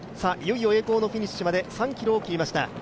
いよいよ栄光のフィニッシュまで３ｋｍを切りました。